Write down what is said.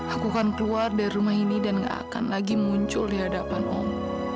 aku akan keluar dari rumah ini dan gak akan lagi muncul di hadapan om